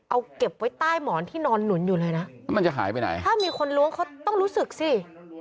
เอาเก็บไว้ใต้หมอนที่นอนหนุนอยู่เลยนะแล้วมันจะหายไปไหนถ้ามีคนล้วงเขาต้องรู้สึกสิ